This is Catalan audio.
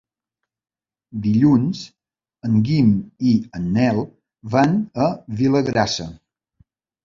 Dilluns en Guim i en Nel van a Vilagrassa.